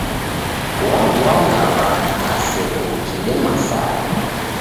Wabwagha w'andu na seko ukidema sare.